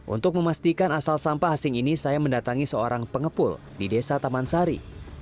untuk memastikan asal sampah asing ini saya mendatangi seorang pengepul di desa taman sari